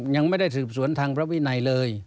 ยังไม่ได้สืบสวนทางพระวินัยเลย